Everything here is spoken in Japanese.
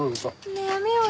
ねえやめようよ。